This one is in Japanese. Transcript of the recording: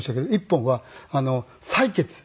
１本は採血。